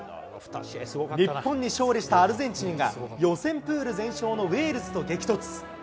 日本に勝利したアルゼンチンが、予選プール全勝のウェールズと激突。